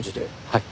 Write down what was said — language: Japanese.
はい。